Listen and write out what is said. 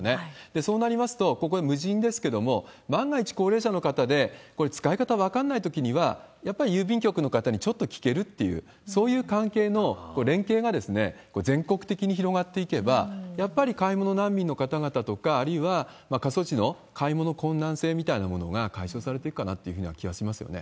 そうなりますと、ここは無人ですけども、万が一、高齢者の方でこれ、使い方分かんないときには、やっぱり郵便局の方にちょっと聞けるっていう、そういう関係の連携が全国的に広がっていけば、やっぱり買い物難民の方々とか、あるいは過疎地の買い物困難性みたいなものが解消されていくかなっていう気はしますよね。